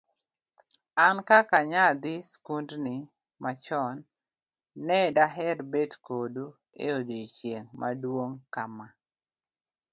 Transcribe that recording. an kaka nyadhi skundni machon ne daher bet kodu e odiochieng' maduong' kama